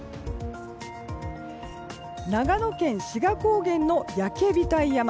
長野県志賀高原の焼額山。